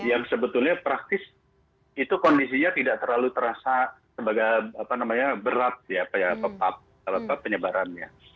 yang sebetulnya praktis itu kondisinya tidak terlalu terasa sebagai berat penyebarannya